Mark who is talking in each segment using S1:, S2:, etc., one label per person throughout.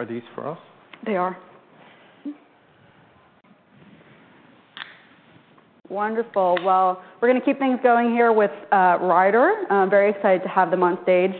S1: Are these for us?
S2: They are. Wonderful. We're gonna keep things going here with Ryder. I'm very excited to have them on stage.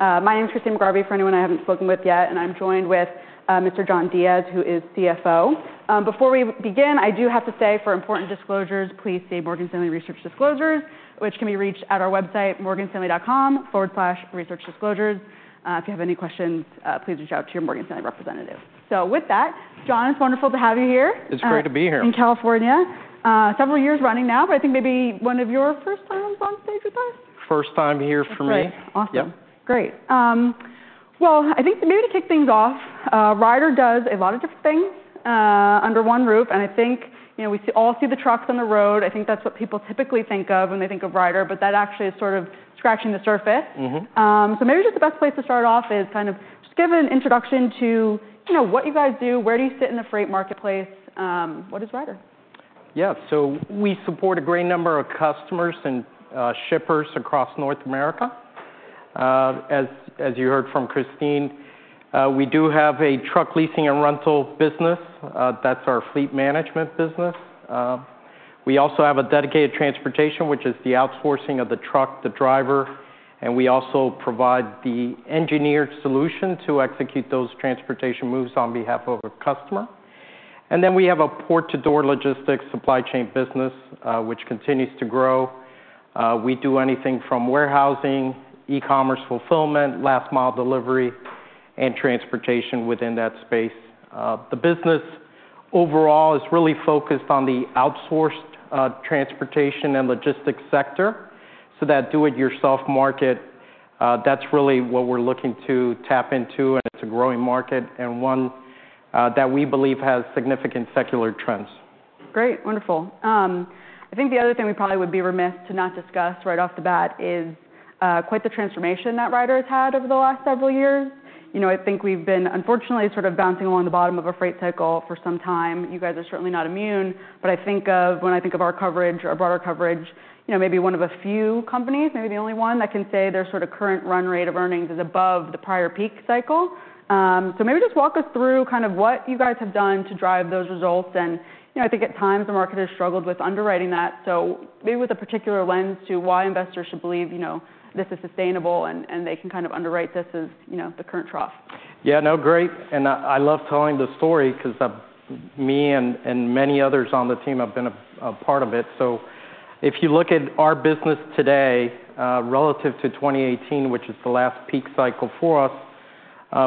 S2: My name is Christine McGarvey, for anyone I haven't spoken with yet, and I'm joined with Mr. John Diez, who is CFO. Before we begin, I do have to say, for important disclosures, please see Morgan Stanley Research disclosures, which can be reached at our website, morganstanley.com/researchdisclosures. If you have any questions, please reach out to your Morgan Stanley representative, so with that, John, it's wonderful to have you here-
S1: It's great to be here.
S2: in California, several years running now, but I think maybe one of your first times on stage with us?
S1: First time here for me.
S2: Great. Awesome.
S1: Yep.
S2: Great. Well, I think maybe to kick things off, Ryder does a lot of different things under one roof, and I think, you know, we all see the trucks on the road. I think that's what people typically think of when they think of Ryder, but that actually is sort of scratching the surface.
S1: Mm-hmm.
S2: So maybe just the best place to start off is kind of just give an introduction to, you know, what you guys do, where do you sit in the freight marketplace? What is Ryder?
S1: Yeah. So we support a great number of customers and, shippers across North America. As you heard from Christine, we do have a truck leasing and rental business. That's our fleet management business. We also have a dedicated transportation, which is the outsourcing of the truck, the driver, and we also provide the engineered solution to execute those transportation moves on behalf of a customer. And then we have a port-to-door logistics supply chain business, which continues to grow. We do anything from warehousing, e-commerce fulfillment, last mile delivery, and transportation within that space. The business overall is really focused on the outsourced, transportation and logistics sector. So that do-it-yourself market, that's really what we're looking to tap into, and it's a growing market and one, that we believe has significant secular trends.
S2: Great, wonderful. I think the other thing we probably would be remiss to not discuss right off the bat is quite the transformation that Ryder has had over the last several years. You know, I think we've been unfortunately sort of bouncing along the bottom of a freight cycle for some time. You guys are certainly not immune, but when I think of our coverage, our broader coverage, you know, maybe one of a few companies, maybe the only one, that can say their sort of current run rate of earnings is above the prior peak cycle. So maybe just walk us through kind of what you guys have done to drive those results. You know, I think at times, the market has struggled with underwriting that, so maybe with a particular lens to why investors should believe, you know, this is sustainable and they can kind of underwrite this as, you know, the current trough.
S1: Yeah, no, great. And I love telling the story 'cause me and many others on the team have been a part of it. So if you look at our business today relative to twenty eighteen, which is the last peak cycle for us,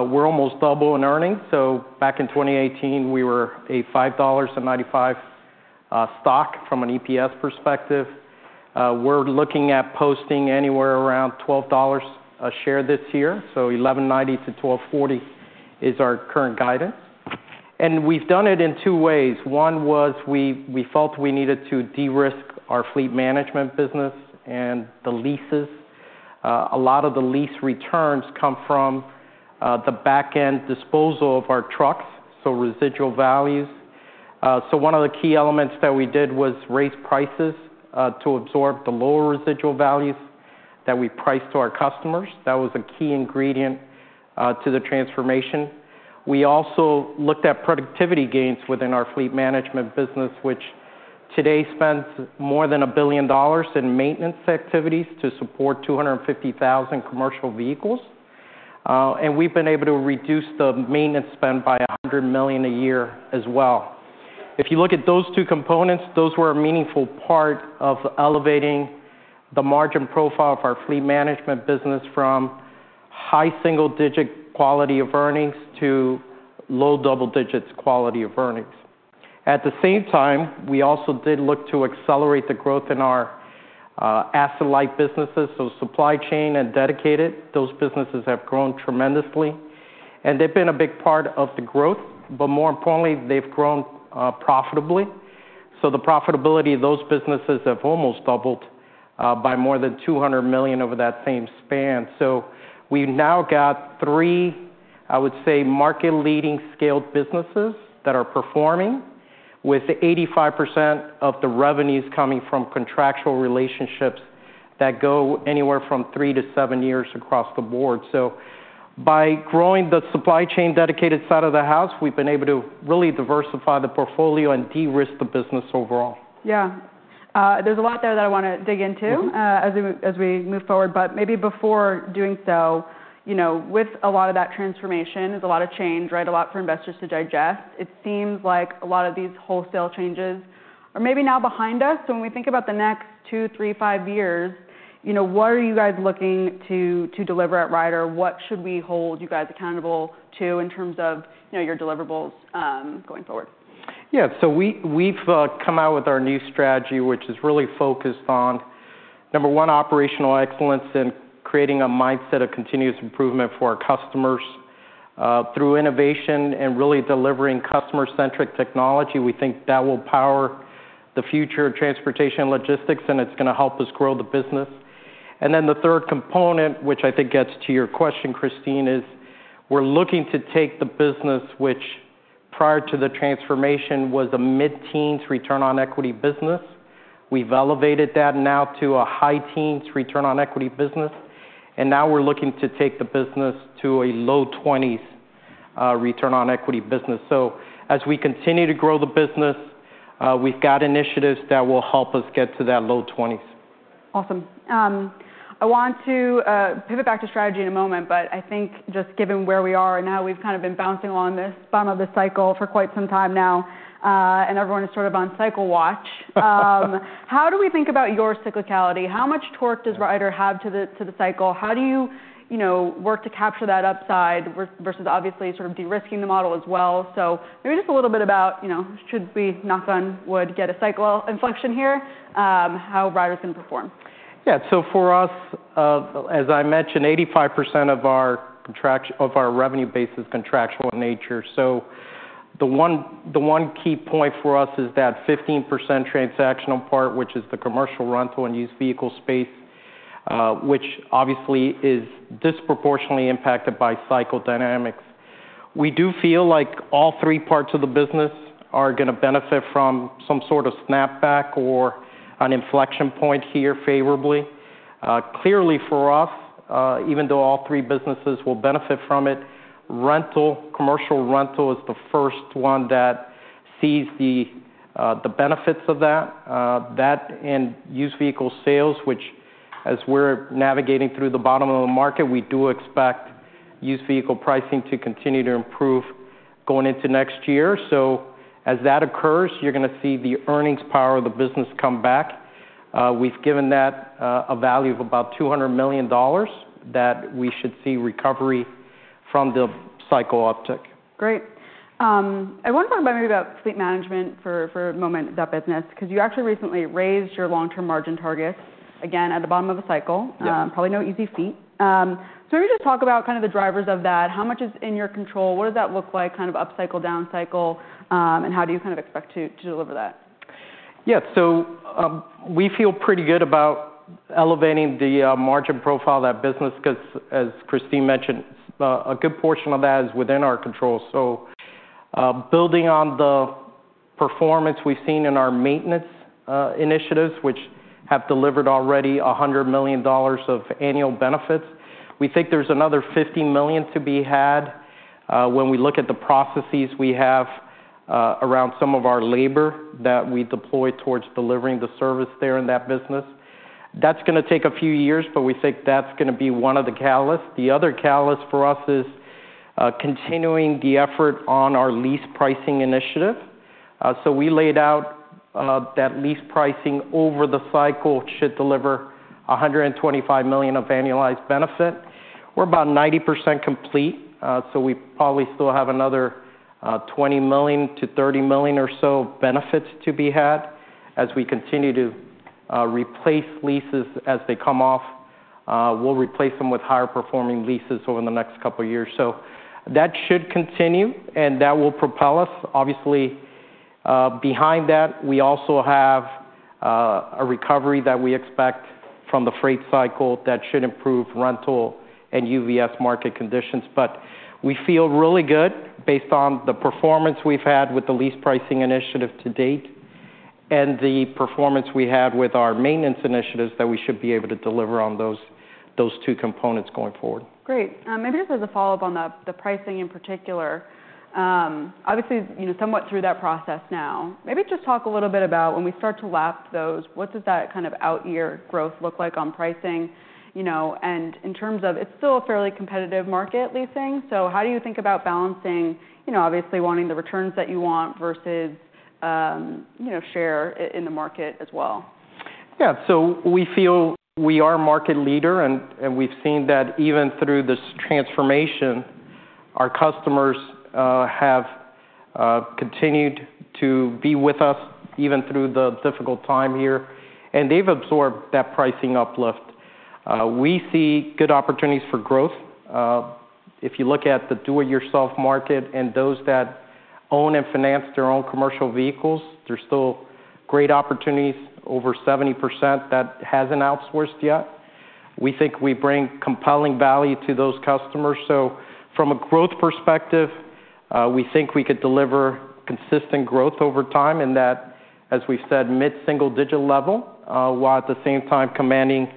S1: we're almost double in earnings. So back in twenty eighteen, we were a $5.95 stock from an EPS perspective. We're looking at posting anywhere around $12 a share this year, so $11.90-$12.40 is our current guidance. And we've done it in two ways. One was we felt we needed to de-risk our fleet management business and the leases. A lot of the lease returns come from the back-end disposal of our trucks, so residual values. So one of the key elements that we did was raise prices to absorb the lower residual values that we priced to our customers. That was a key ingredient to the transformation. We also looked at productivity gains within our fleet management business, which today spends more than $1 billion in maintenance activities to support 250,000 commercial vehicles. And we've been able to reduce the maintenance spend by $100 million a year as well. If you look at those two components, those were a meaningful part of elevating the margin profile of our fleet management business from high single-digit quality of earnings to low double digits quality of earnings. At the same time, we also did look to accelerate the growth in our asset-light businesses, so supply chain and dedicated. Those businesses have grown tremendously, and they've been a big part of the growth, but more importantly, they've grown profitably. So the profitability of those businesses have almost doubled by more than $200 million over that same span. So we've now got three, I would say, market-leading scaled businesses that are performing, with 85% of the revenues coming from contractual relationships that go anywhere from 3-7 years across the board. So by growing the supply chain dedicated side of the house, we've been able to really diversify the portfolio and de-risk the business overall.
S2: Yeah. There's a lot there that I wanna dig into-
S1: Mm-hmm.
S2: As we move forward, but maybe before doing so, you know, with a lot of that transformation, there's a lot of change, right? A lot for investors to digest. It seems like a lot of these wholesale changes are maybe now behind us. So when we think about the next two, three, five years, you know, what are you guys looking to deliver at Ryder? What should we hold you guys accountable to in terms of, you know, your deliverables going forward?
S1: Yeah. So we've come out with our new strategy, which is really focused on, number one, operational excellence and creating a mindset of continuous improvement for our customers, through innovation and really delivering customer-centric technology. We think that will power the future of transportation and logistics, and it's gonna help us grow the business. And then the third component, which I think gets to your question, Christine, is we're looking to take the business which prior to the transformation was a mid-teens return on equity business. We've elevated that now to a high teens return on equity business, and now we're looking to take the business to a low twenties, return on equity business. So as we continue to grow the business, we've got initiatives that will help us get to that low twenties.
S2: Awesome. I want to pivot back to strategy in a moment, but I think just given where we are now, we've kind of been bouncing along this bottom of the cycle for quite some time now, and everyone is sort of on cycle watch. How do we think about your cyclicality? How much torque does Ryder have to the cycle? How do you, you know, work to capture that upside versus obviously sort of de-risking the model as well? So maybe just a little bit about, you know, should we knock on wood get a cycle inflection here, how Ryder is going to perform.
S1: Yeah. So for us, as I mentioned, 85% of our revenue base is contractual in nature. So the one key point for us is that 15% transactional part, which is the commercial rental and used vehicle space, which obviously is disproportionately impacted by cycle dynamics. We do feel like all three parts of the business are gonna benefit from some sort of snapback or an inflection point here favorably. Clearly, for us, even though all three businesses will benefit from it, commercial rental is the first one that sees the benefits of that. That and used vehicle sales, which as we're navigating through the bottom of the market, we do expect used vehicle pricing to continue to improve going into next year. So as that occurs, you're gonna see the earnings power of the business come back. We've given that a value of about $200 million, that we should see recovery from the cycle uptick.
S2: Great. I want to talk about fleet management for a moment, that business, because you actually recently raised your long-term margin targets, again, at the bottom of a cycle.
S1: Yeah.
S2: Probably no easy feat, so maybe just talk about kind of the drivers of that. How much is in your control? What does that look like, kind of upcycle, downcycle, and how do you kind of expect to deliver that?
S1: Yeah. So, we feel pretty good about elevating the, margin profile of that business, because, as Christine mentioned, a good portion of that is within our control. So, building on the performance we've seen in our maintenance, initiatives, which have delivered already $100 million of annual benefits, we think there's another $50 million to be had. When we look at the processes we have, around some of our labor that we deploy towards delivering the service there in that business, that's gonna take a few years, but we think that's gonna be one of the catalysts. The other catalyst for us is, continuing the effort on our lease pricing initiative. So we laid out, that lease pricing over the cycle should deliver $125 million of annualized benefit. We're about 90% complete, so we probably still have another $20 million-$30 million or so benefits to be had. As we continue to replace leases as they come off, we'll replace them with higher performing leases over the next couple of years. So that should continue, and that will propel us. Obviously, behind that, we also have a recovery that we expect from the freight cycle that should improve rental and UVS market conditions. But we feel really good based on the performance we've had with the lease pricing initiative to date, and the performance we had with our maintenance initiatives, that we should be able to deliver on those two components going forward.
S2: Great. Maybe just as a follow-up on the pricing in particular. Obviously, you know, somewhat through that process now. Maybe just talk a little bit about when we start to lap those, what does that kind of out year growth look like on pricing? You know, and in terms of... It's still a fairly competitive market, leasing. So how do you think about balancing, you know, obviously, wanting the returns that you want versus, you know, share in the market as well?
S1: Yeah. So we feel we are a market leader, and we've seen that even through this transformation, our customers have continued to be with us, even through the difficult time here, and they've absorbed that pricing uplift. We see good opportunities for growth. If you look at the do-it-yourself market and those that own and finance their own commercial vehicles, there are still great opportunities, over 70% that hasn't outsourced yet. We think we bring compelling value to those customers. So from a growth perspective, we think we could deliver consistent growth over time, and that, as we've said, mid-single-digit level, while at the same time commanding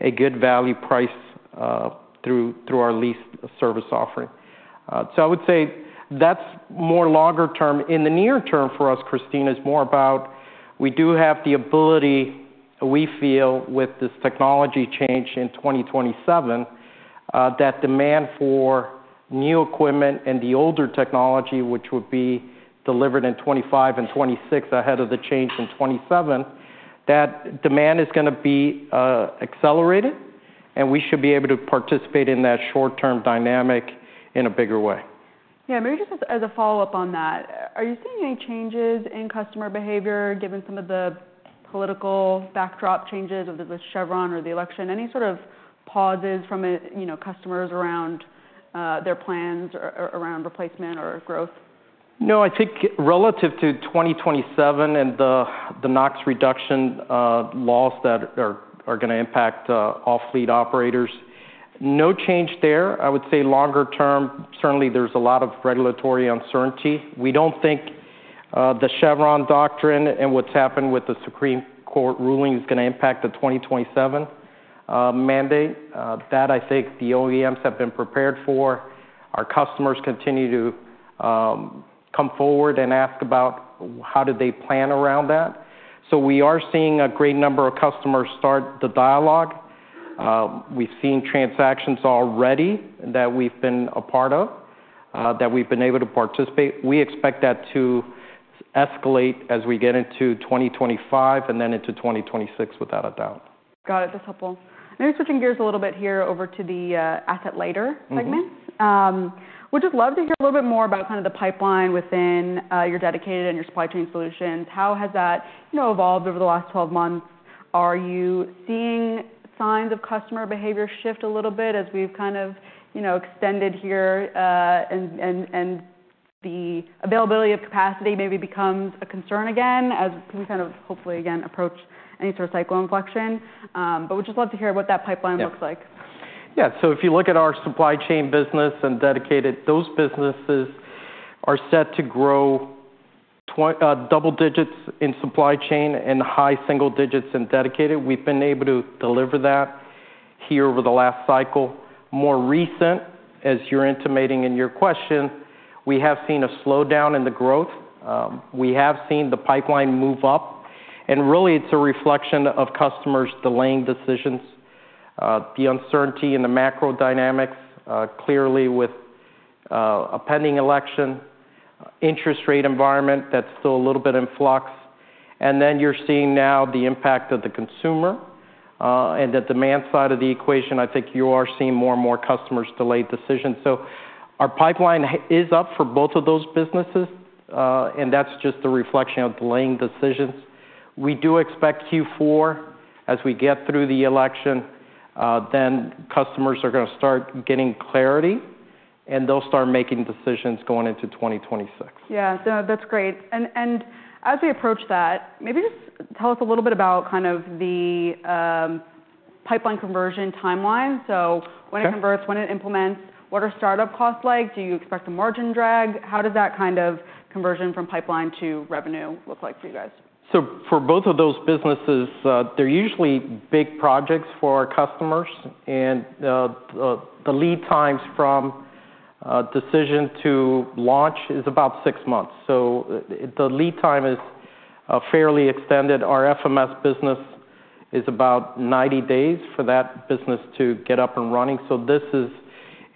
S1: a good value price, through our lease service offering. So I would say that's more longer term. In the near term for us, Christine, is more about we do have the ability, we feel, with this technology change in 2027, that demand for new equipment and the older technology, which would be delivered in 2025 and 2026, ahead of the change in 2027, that demand is gonna be accelerated, and we should be able to participate in that short-term dynamic in a bigger way.
S2: Yeah, maybe just as a follow-up on that, are you seeing any changes in customer behavior, given some of the political backdrop changes of the Chevron or the election? Any sort of pauses from, you know, customers around their plans around replacement or growth?
S1: No, I think relative to 2027 and the NOx reduction laws that are gonna impact all fleet operators, no change there. I would say longer term, certainly there's a lot of regulatory uncertainty. The Chevron doctrine and what's happened with the Supreme Court ruling is gonna impact the 2027 mandate. That I think the OEMs have been prepared for. Our customers continue to come forward and ask about how did they plan around that. So we are seeing a great number of customers start the dialogue. We've seen transactions already that we've been a part of that we've been able to participate. We expect that to escalate as we get into 2025, and then into 2026, without a doubt.
S2: Got it. That's helpful. Maybe switching gears a little bit here over to the asset lighter segment.
S1: Mm-hmm.
S2: Would just love to hear a little bit more about kind of the pipeline within your dedicated and your supply chain solutions. How has that, you know, evolved over the last twelve months? Are you seeing signs of customer behavior shift a little bit as we've kind of, you know, extended here, and the availability of capacity maybe becomes a concern again, as we kind of, hopefully again, approach any sort of cycle inflection, but we'd just love to hear what that pipeline looks like.
S1: Yeah. Yeah, so if you look at our supply chain business and dedicated, those businesses are set to grow double digits in supply chain and high single digits in dedicated. We've been able to deliver that here over the last cycle. More recently, as you're intimating in your question, we have seen a slowdown in the growth. We have seen the pipeline move up, and really, it's a reflection of customers delaying decisions. The uncertainty in the macro dynamics, clearly with a pending election, interest rate environment, that's still a little bit in flux, and then you're seeing now the impact of the consumer and the demand side of the equation. I think you are seeing more and more customers delay decisions, so our pipeline is up for both of those businesses, and that's just a reflection of delaying decisions. We do expect Q4 as we get through the election, then customers are gonna start getting clarity, and they'll start making decisions going into 2026.
S2: Yeah. No, that's great. And as we approach that, maybe just tell us a little bit about kind of the pipeline conversion timeline.
S1: Okay.
S2: So when it converts, when it implements, what are startup costs like? Do you expect a margin drag? How does that kind of conversion from pipeline to revenue look like for you guys?
S1: So for both of those businesses, they're usually big projects for our customers, and the lead times from decision to launch is about six months. So the lead time is fairly extended. Our FMS business is about 90 days for that business to get up and running, so this is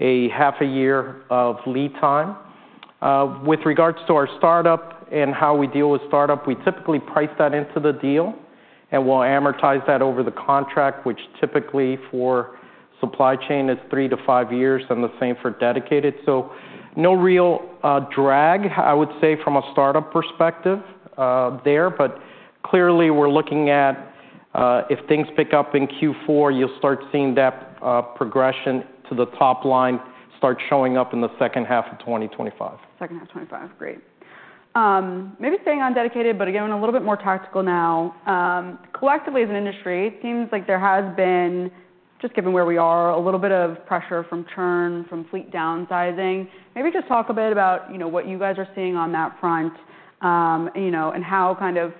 S1: a half a year of lead time. With regards to our startup and how we deal with startup, we typically price that into the deal, and we'll amortize that over the contract, which typically for supply chain is three to five years, and the same for dedicated. So no real drag, I would say, from a startup perspective, there, but clearly, we're looking at if things pick up in Q4, you'll start seeing that progression to the top line start showing up in the second half of 2025.
S2: Second half of twenty twenty-five. Great. Maybe staying on dedicated, but again, a little bit more tactical now. Collectively, as an industry, it seems like there has been, just given where we are, a little bit of pressure from churn, from fleet downsizing. Maybe just talk a bit about, you know, what you guys are seeing on that front, you know, and how kind of...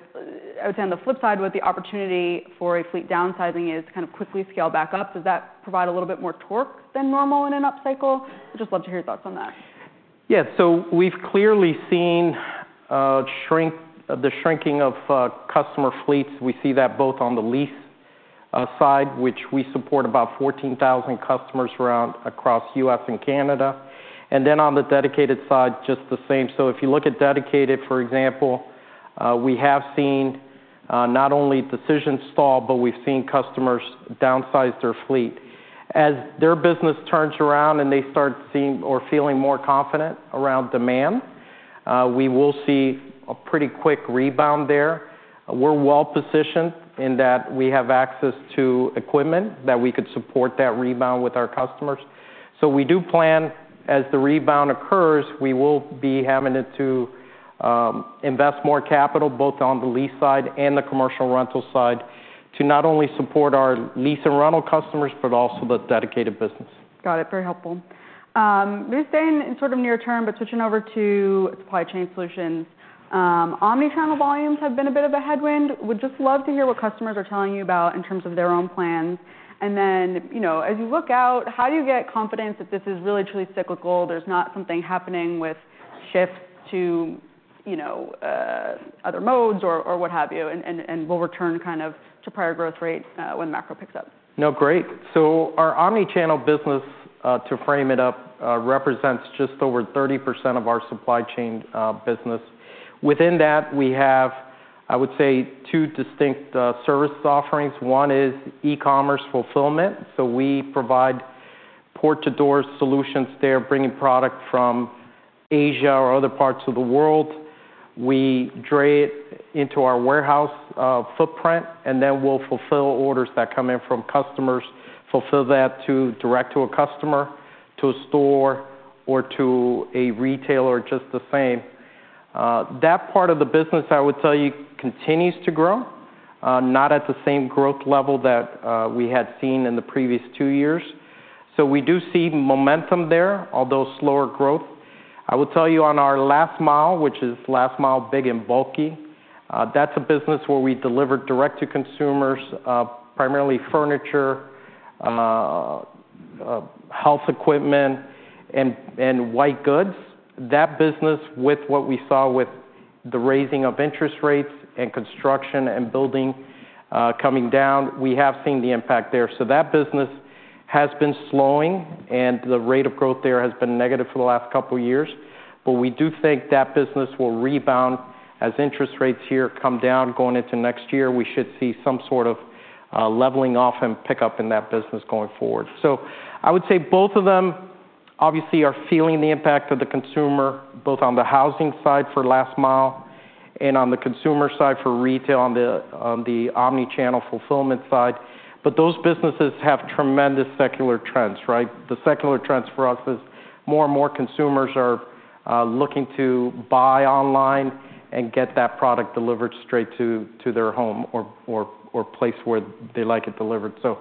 S2: I would say, on the flip side, with the opportunity for a fleet downsizing is to kind of quickly scale back up. Does that provide a little bit more torque than normal in an upcycle? I'd just love to hear your thoughts on that.
S1: Yeah. So we've clearly seen the shrinking of customer fleets. We see that both on the lease side, which we support about 14,000 customers around across U.S. and Canada, and then on the dedicated side, just the same. So if you look at Dedicated, for example, we have seen not only decisions stall, but we've seen customers downsize their fleet. As their business turns around and they start seeing or feeling more confident around demand, we will see a pretty quick rebound there. We're well-positioned in that we have access to equipment, that we could support that rebound with our customers. So we do plan, as the rebound occurs, we will be having to invest more capital, both on the lease side and the commercial rental side, to not only support our lease and rental customers, but also the dedicated business.
S2: Got it. Very helpful. We've been in sort of near term, but switching over to supply chain solutions. Omnichannel volumes have been a bit of a headwind. Would just love to hear what customers are telling you about in terms of their own plans. And then, you know, as you look out, how do you get confidence that this is really, truly cyclical, there's not something happening with shift to, you know, other modes or what have you, and we'll return kind of to prior growth rates when macro picks up?
S1: No, great. So our omnichannel business, to frame it up, represents just over 30% of our supply chain business. Within that, we have, I would say, two distinct service offerings. One is e-commerce fulfillment. So we provide port-to-door solutions. They're bringing product from Asia or other parts of the world. We bring it into our warehouse footprint, and then we'll fulfill orders that come in from customers, fulfill that directly to a customer, to a store, or to a retailer just the same. That part of the business, I would tell you, continues to grow, not at the same growth level that we had seen in the previous two years. So we do see momentum there, although slower growth. I will tell you on our last mile, which is last mile, big and bulky, that's a business where we deliver direct to consumers, primarily furniture, house equipment, and white goods. That business, with what we saw with the raising of interest rates and construction and building, coming down, we have seen the impact there. So that business has been slowing, and the rate of growth there has been negative for the last couple of years. But we do think that business will rebound as interest rates here come down, going into next year, we should see some sort of, leveling off and pickup in that business going forward. So I would say both of them, obviously, are feeling the impact of the consumer, both on the housing side for last mile and on the consumer side for retail, on the omni-channel fulfillment side. But those businesses have tremendous secular trends, right? The secular trends for us is more and more consumers are looking to buy online and get that product delivered straight to their home or place where they like it delivered. So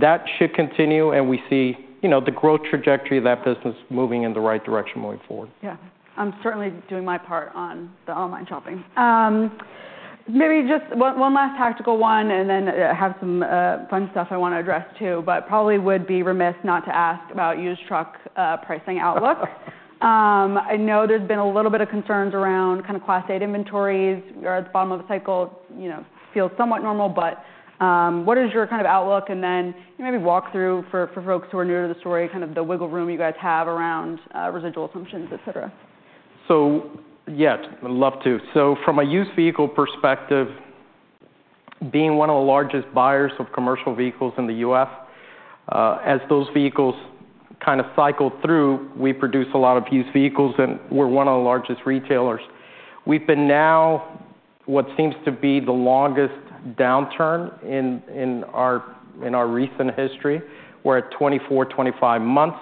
S1: that should continue, and we see, you know, the growth trajectory of that business moving in the right direction going forward.
S2: Yeah. I'm certainly doing my part on the online shopping. Maybe just one last tactical one, and then I have some fun stuff I want to address, too, but probably would be remiss not to ask about used truck pricing outlook. I know there's been a little bit of concerns around kind of Class 8 inventories. We're at the bottom of the cycle, you know, feels somewhat normal, but what is your kind of outlook? And then maybe walk through for folks who are new to the story, kind of the wiggle room you guys have around residual assumptions, et cetera.
S1: Yeah, I'd love to. From a used vehicle perspective, being one of the largest buyers of commercial vehicles in the U.S., as those vehicles kind of cycle through, we produce a lot of used vehicles, and we're one of the largest retailers. We've been now what seems to be the longest downturn in our recent history. We're at 24-25 months.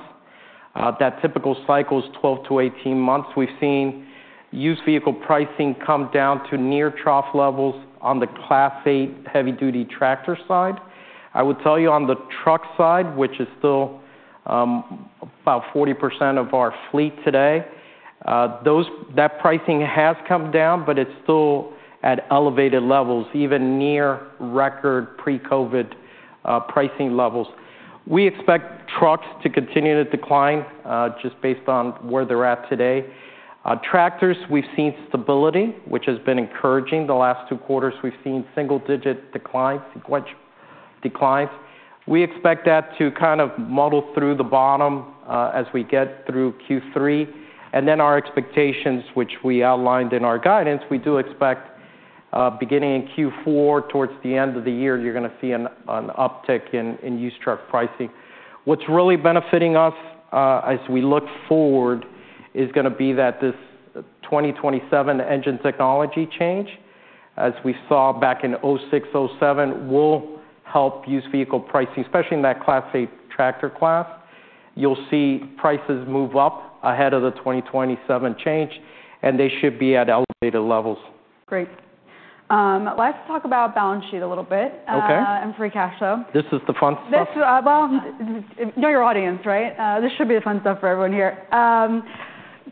S1: That typical cycle is 12-18 months. We've seen used vehicle pricing come down to near trough levels on the Class 8 heavy duty tractor side. I would tell you on the truck side, which is still about 40% of our fleet today, that pricing has come down, but it's still at elevated levels, even near record pre-COVID pricing levels. We expect trucks to continue to decline just based on where they're at today. Tractors, we've seen stability, which has been encouraging. The last two quarters, we've seen single-digit declines, sequential declines. We expect that to kind of muddle through the bottom, as we get through Q3, and then our expectations, which we outlined in our guidance, we do expect, beginning in Q4, towards the end of the year, you're gonna see an uptick in used truck pricing. What's really benefiting us, as we look forward, is gonna be that this twenty twenty-seven engine technology change, as we saw back in 2006, 2007, will help used vehicle pricing, especially in that Class 8 tractor class. You'll see prices move up ahead of the twenty twenty-seven change, and they should be at elevated levels.
S2: Great. Let's talk about balance sheet a little bit-
S1: Okay.
S2: And free cash flow.
S1: This is the fun stuff?
S2: This, well, know your audience, right? This should be the fun stuff for everyone here,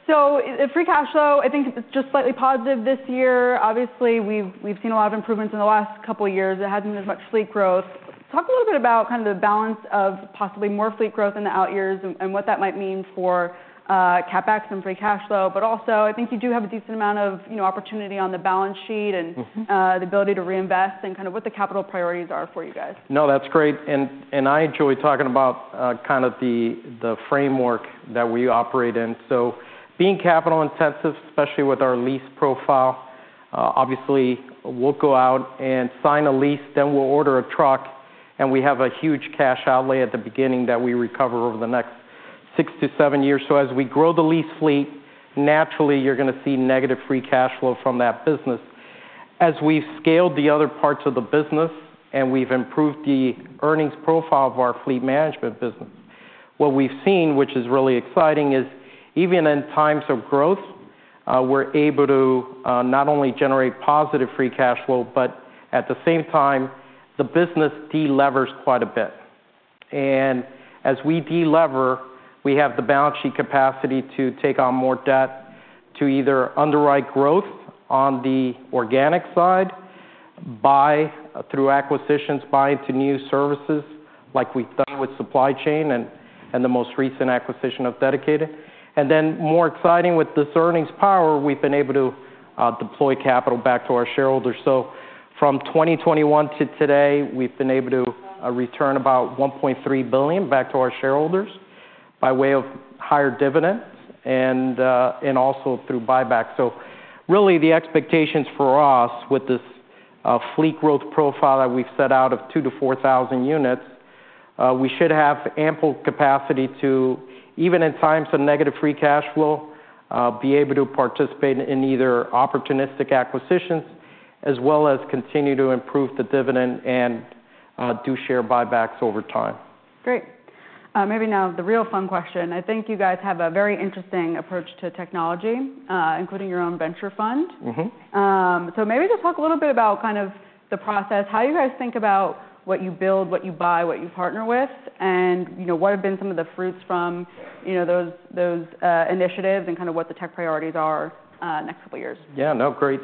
S2: so free cash flow, I think it's just slightly positive this year. Obviously, we've seen a lot of improvements in the last couple of years. It hasn't been as much fleet growth. Talk a little bit about kind of the balance of possibly more fleet growth in the out years and what that might mean for CapEx and free cash flow. But also, I think you do have a decent amount of, you know, opportunity on the balance sheet and-
S1: Mm-hmm
S2: The ability to reinvest and kind of what the capital priorities are for you guys.
S1: No, that's great, and I enjoy talking about kind of the framework that we operate in. So being capital intensive, especially with our lease profile, obviously, we'll go out and sign a lease, then we'll order a truck, and we have a huge cash outlay at the beginning that we recover over the next six to seven years. So as we grow the lease fleet, naturally, you're gonna see negative free cash flow from that business. As we've scaled the other parts of the business, and we've improved the earnings profile of our fleet management business, what we've seen, which is really exciting, is even in times of growth, we're able to not only generate positive free cash flow, but at the same time, the business delevers quite a bit. And as we delever, we have the balance sheet capacity to take on more debt, to either underwrite growth on the organic side, buy through acquisitions, buy into new services, like we've done with supply chain and, and the most recent acquisition of Dedicated. And then, more exciting, with this earnings power, we've been able to deploy capital back to our shareholders. So from 2021 to today, we've been able to return about $1.3 billion back to our shareholders by way of higher dividends and, and also through buybacks. So really, the expectations for us with this, fleet growth profile that we've set out of two to four thousand units, we should have ample capacity to, even in times of negative free cash flow, be able to participate in either opportunistic acquisitions as well as continue to improve the dividend and, do share buybacks over time.
S2: Great. Maybe now the real fun question. I think you guys have a very interesting approach to technology, including your own venture fund.
S1: Mm-hmm.
S2: So maybe just talk a little bit about kind of the process, how you guys think about what you build, what you buy, what you partner with, and, you know, what have been some of the fruits from, you know, those initiatives and kind of what the tech priorities are next couple years?
S1: Yeah, no, great.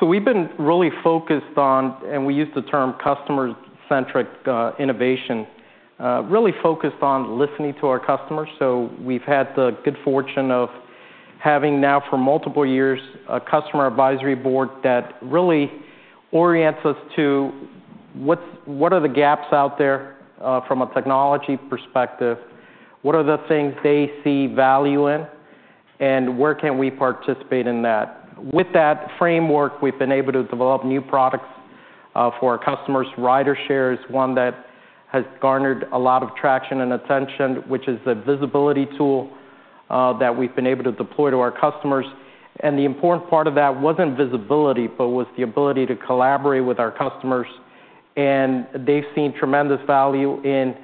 S1: So we've been really focused on, and we use the term customer-centric innovation, really focused on listening to our customers. So we've had the good fortune of having now for multiple years, a customer advisory board that really orients us to what are the gaps out there, from a technology perspective? What are the things they see value in, and where can we participate in that? With that framework, we've been able to develop new products for our customers. RyderShare is one that has garnered a lot of traction and attention, which is a visibility tool that we've been able to deploy to our customers. The important part of that wasn't visibility, but was the ability to collaborate with our customers, and they've seen tremendous value in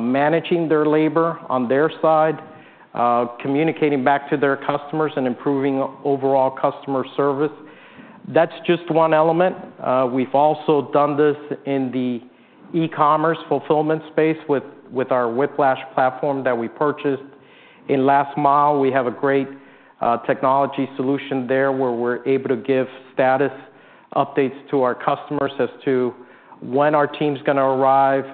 S1: managing their labor on their side, communicating back to their customers, and improving overall customer service. That's just one element. We've also done this in the e-commerce fulfillment space with our Whiplash platform that we purchased. In last mile, we have a great technology solution there, where we're able to give status updates to our customers as to when our team's gonna arrive,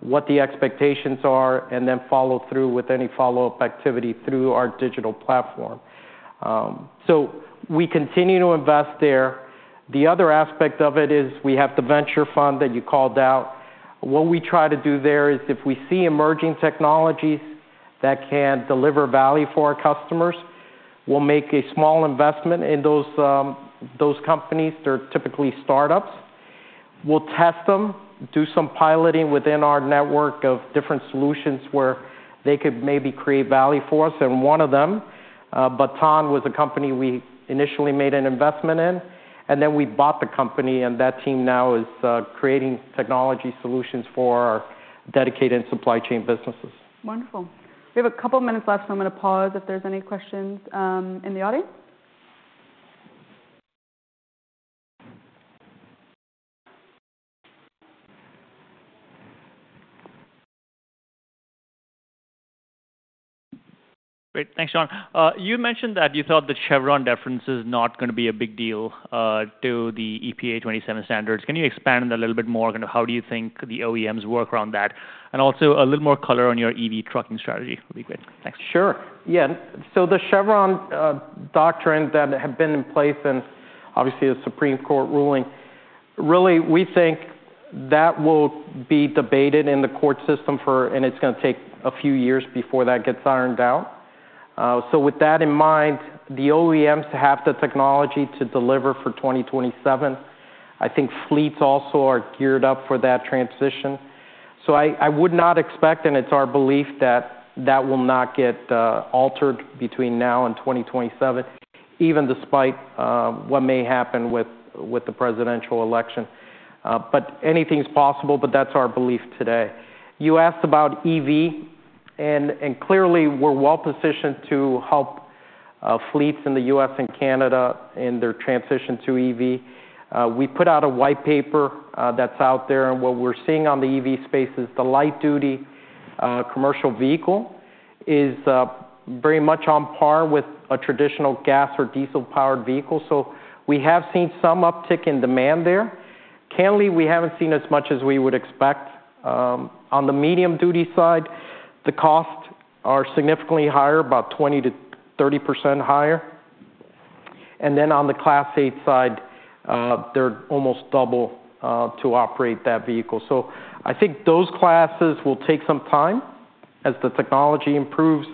S1: what the expectations are, and then follow through with any follow-up activity through our digital platform. So we continue to invest there. The other aspect of it is we have the venture fund that you called out. What we try to do there is if we see emerging technologies that can deliver value for our customers, we'll make a small investment in those companies. They're typically startups. We'll test them, do some piloting within our network of different solutions where they could maybe create value for us, and one of them, Baton, was a company we initially made an investment in, and then we bought the company, and that team now is creating technology solutions for our dedicated supply chain businesses.
S2: Wonderful. We have a couple minutes left, so I'm gonna pause if there's any questions, in the audience. Great. Thanks, Sean. You mentioned that you thought the Chevron deference is not gonna be a big deal to the EPA 2027 standards. Can you expand on that a little bit more? Kind of how do you think the OEMs work around that? And also, a little more color on your EV trucking strategy would be great. Thanks.
S1: Sure. Yeah, so the Chevron doctrine that had been in place and obviously, the Supreme Court ruling, really, we think that will be debated in the court system for... and it's gonna take a few years before that gets ironed out. So with that in mind, the OEMs have the technology to deliver for 2027. I think fleets also are geared up for that transition. So I, I would not expect, and it's our belief that, that will not get altered between now and 2027, even despite what may happen with the presidential election. But anything's possible, but that's our belief today. You asked about EV, and clearly, we're well positioned to help fleets in the U.S. and Canada in their transition to EV. We put out a white paper, that's out there, and what we're seeing on the EV space is the light-duty commercial vehicle is very much on par with a traditional gas or diesel-powered vehicle. So we have seen some uptick in demand there. Candidly, we haven't seen as much as we would expect. On the medium-duty side, the cost are significantly higher, about 20%-30% higher, and then on the Class 8 side, they're almost double to operate that vehicle. So I think those classes will take some time as the technology improves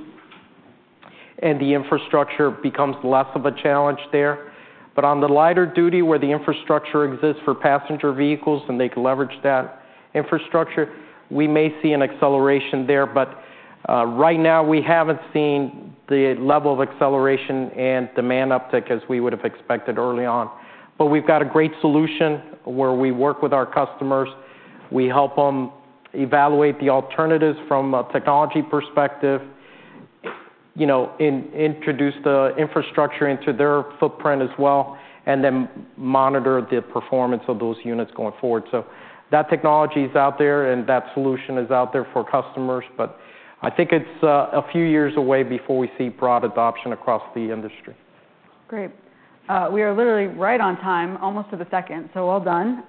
S1: and the infrastructure becomes less of a challenge there. But on the lighter duty, where the infrastructure exists for passenger vehicles, and they can leverage that infrastructure, we may see an acceleration there, but right now, we haven't seen the level of acceleration and demand uptick as we would have expected early on. But we've got a great solution, where we work with our customers. We help them evaluate the alternatives from a technology perspective, you know, introduce the infrastructure into their footprint as well, and then monitor the performance of those units going forward. So that technology is out there, and that solution is out there for customers, but I think it's a few years away before we see broad adoption across the industry.
S2: Great. We are literally right on time, almost to the second, so well done.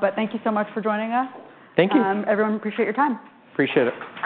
S2: But thank you so much for joining us.
S1: Thank you.
S2: Everyone, appreciate your time.
S1: Appreciate it.